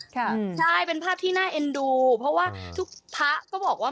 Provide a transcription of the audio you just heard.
ค่ะใช่เป็นภาพที่น่าเอ็นดูเพราะว่าทุกพระก็บอกว่า